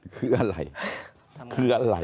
คืออะไร